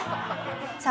さあ